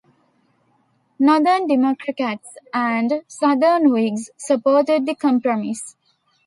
Northern Democrats and Southern Whigs supported the Compromise.